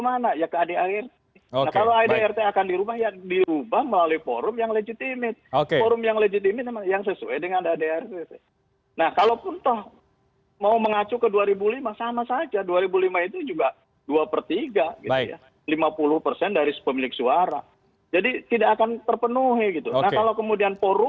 merebut elit elit kunci apakah itu kemudian menjadi fokus juga di kepala muldoko